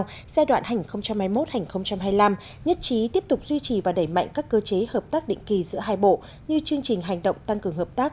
giai đoạn hành hai mươi một hai mươi năm nhất trí tiếp tục duy trì và đẩy mạnh các cơ chế hợp tác định kỳ giữa hai bộ như chương trình hành động tăng cường hợp tác